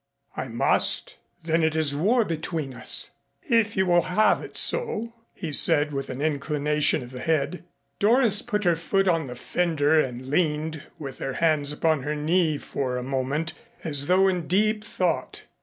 "I must." "Then it is war between us." "If you will have it so," he said, with an inclination of the head. Doris put her foot on the fender and leaned with her hands upon her knee for a moment as though in deep thought.